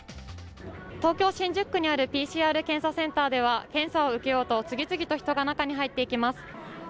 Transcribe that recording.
東京・新宿区にあるＰＣＲ検査センターでは検査を受けようと次々と人が中に入っていきます。